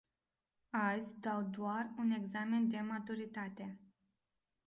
Azi dau doar un examen de maturitate.